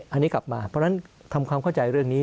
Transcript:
อันนี้กลับมาเพราะฉะนั้นทำความเข้าใจเรื่องนี้